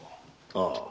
ああ。